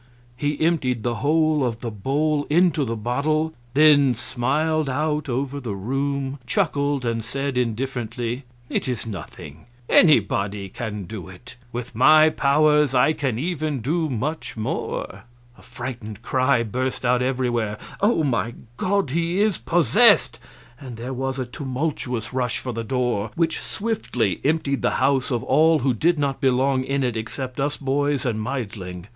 He emptied the whole of the bowl into the bottle, then smiled out over the room, chuckled, and said, indifferently: "It is nothing anybody can do it! With my powers I can even do much more." A frightened cry burst out everywhere. "Oh, my God, he is possessed!" and there was a tumultuous rush for the door which swiftly emptied the house of all who did not belong in it except us boys and Meidling.